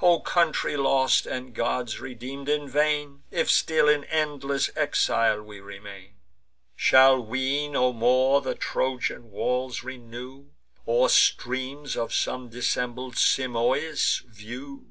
O country lost, and gods redeem'd in vain, If still in endless exile we remain! Shall we no more the Trojan walls renew, Or streams of some dissembled Simois view!